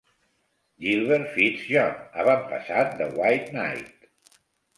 Gilbert Fitz-John, avantpassat de White Knight.